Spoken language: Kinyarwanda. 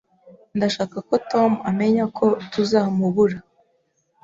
Ndashaka ko Tom amenya ko tuzamubura